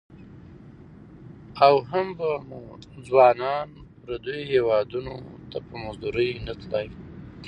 او هم به مو ځوانان پرديو هيوادنو ته په مزدورۍ نه تلى.